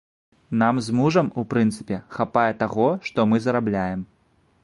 Нам з мужам, у прынцыпе, хапае таго, што мы зарабляем.